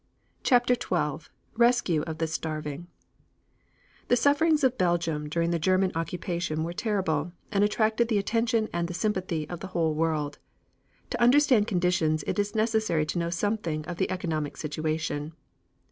CHAPTER XII RESCUE OF THE STARVING The sufferings of Belgium during the German occupation were terrible, and attracted the attention and the sympathy of the whole world. To understand conditions it is necessary to know something of the economic situation.